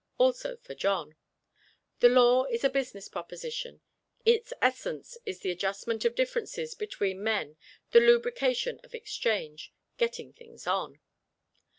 Also, for John. The law is a business proposition: its essence is the adjustment of differences between men, the lubrication of exchange, getting things on!